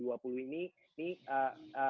di luar zona kota